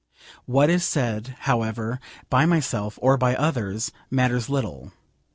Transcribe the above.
What is said, however, by myself or by others, matters little.